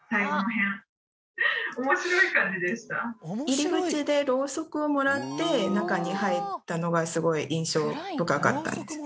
入り口でロウソクをもらって中に入ったのがすごい印象深かったです。